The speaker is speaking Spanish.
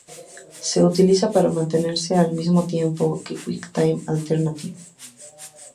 Se utiliza para mantenerse al mismo tiempo que QuickTime Alternative.